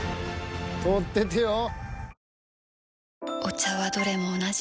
通っててよ。